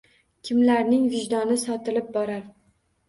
Kimlarning vijdoni sotilib borar.